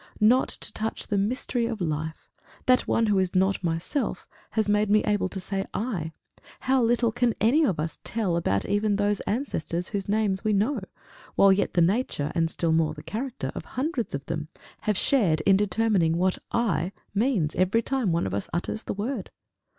Not to touch the mystery of life that one who is not myself has made me able to say I, how little can any of us tell about even those ancestors whose names we know, while yet the nature, and still more the character, of hundreds of them, have shared in determining what I means every time one of us utters the word!